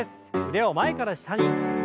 腕を前から下に。